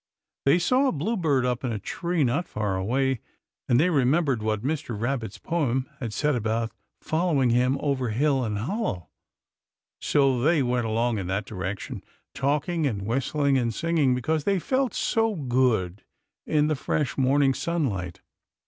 They saw a bluebird up in a tree not far away, and they remembered what Mr. Rabbit's poem had said about following him over hill and hollow; so they went along in that direction, talking and whistling and singing, because they felt so good in the fresh morning sunlight.